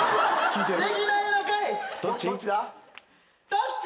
どっち？